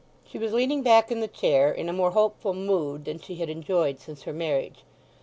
She was leaning back in the chair, in a more hopeful mood than she had enjoyed since her marriage.